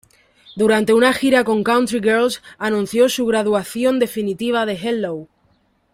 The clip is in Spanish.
Durante una gira con Country Girls anunció su graduación definitiva de Hello!